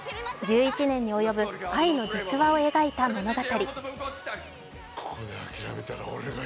１１年に及ぶ愛の実話を描いた物語。